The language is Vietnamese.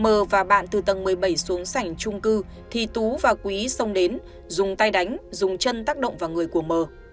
khoảng ba mươi phút sau m và bạn từ tầng một mươi bảy xuống sảnh chung cư thì tú và quý xông đến dùng tay đánh dùng chân tác động vào người của m